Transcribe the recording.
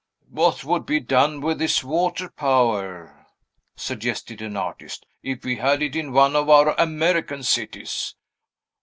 "What would be done with this water power," suggested an artist, "if we had it in one of our American cities?